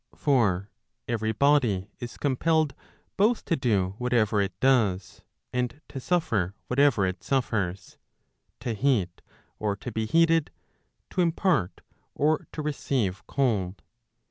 For every body is compelled both to do whatever it does, and to suffer whatever it suffers, to heat, or to be heated, to impart or to receive cold.